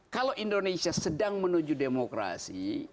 kalau indonesia sedang menuju demokrasi